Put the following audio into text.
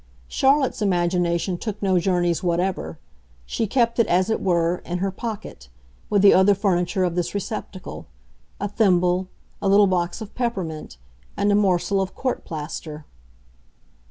Charlotte's imagination took no journeys whatever; she kept it, as it were, in her pocket, with the other furniture of this receptacle—a thimble, a little box of peppermint, and a morsel of court plaster.